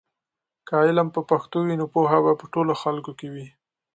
که علم په پښتو وي نو پوهه به په ټولو خلکو کې وي.